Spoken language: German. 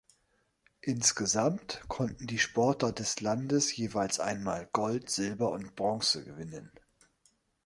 Insgesamt konnten die Sportler des Landes jeweils einmal Gold, Silber und Bronze gewinnen.